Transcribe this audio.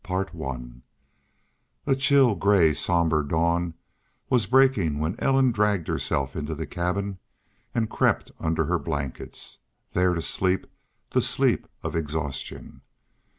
CHAPTER XII A chill, gray, somber dawn was breaking when Ellen dragged herself into the cabin and crept under her blankets, there to sleep the sleep of exhaustion.